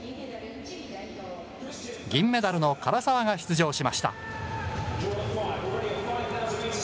銀メダルの唐澤が出場しました。